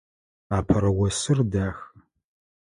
Апэрэ осыр дахэ.